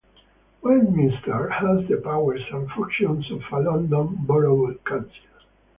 Westminster has the powers and functions of a London borough council.